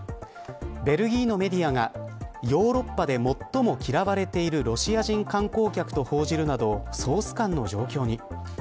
ベルギーのメディアがヨーロッパで最も嫌われているロシア人観光客と報じるなど総スカンの状況に。